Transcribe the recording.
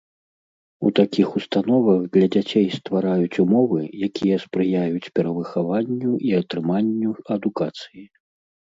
У такіх установах для дзяцей ствараюць умовы, якія спрыяюць перавыхаванню і атрыманню адукацыі.